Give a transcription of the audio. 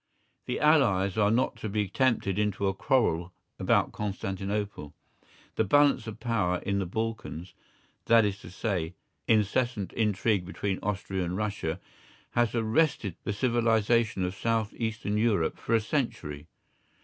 The Allies are not to be tempted into a quarrel about Constantinople. The balance of power in the Balkans, that is to say, incessant intrigue between Austria and Russia, has arrested the civilisation of South eastern Europe for a century.